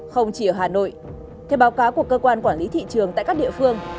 không chỉ ở hà nội theo báo cáo của cơ quan quản lý thị trường tại các địa phương